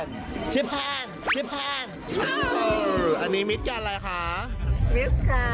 คนบอกว่าโมงแรกจะมาเพราะน้องน้ำค่ะ